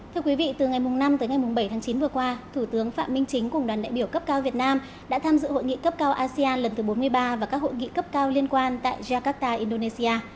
thưa quý vị từ ngày năm tới ngày bảy tháng chín vừa qua thủ tướng phạm minh chính cùng đoàn đại biểu cấp cao việt nam đã tham dự hội nghị cấp cao asean lần thứ bốn mươi ba và các hội nghị cấp cao liên quan tại jakarta indonesia